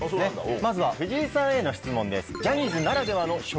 まずは藤井さんへの質問です。